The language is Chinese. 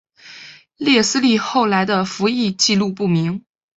列斯利后来的服役纪录不明。